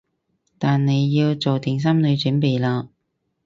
但你要做定心理準備喇